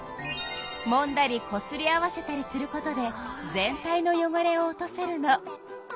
もんだりこすり合わせたりすることで全体のよごれを落とせるの。